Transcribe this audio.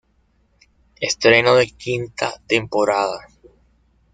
Estreno de quinta temporada